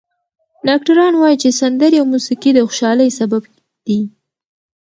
ډاکټران وايي چې سندرې او موسیقي د خوشحالۍ سبب دي.